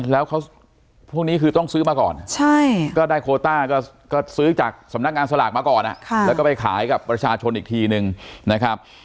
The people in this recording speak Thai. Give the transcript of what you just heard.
แล้วเขาพวกนี้คือต้องซื้อมาก่อนก็ได้โคต้าก็ซื้อจากสำนักงานสลากมาก่อนแล้วก็ไปขายกับประชาชนอีกทีนึงนะครับ